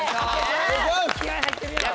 気合入ってるよ。